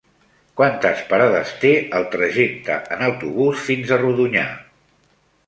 Quantes parades té el trajecte en autobús fins a Rodonyà?